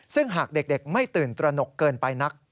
ซึ่งหากเด็กไม่ตื่นตระหนกเกินไปนัก